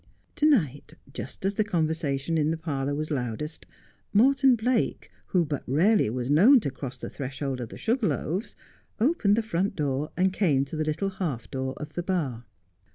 To night, just as conversation in the parlour was loudest, Morton Blake, who but rarely was known to cross the threshold of the ' Sugar Loaves,' opened the front door, and came to the little half door of the bar.